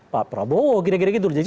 pak prabowo gira gira gitu jadi